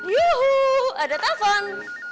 yuhuu ada telepon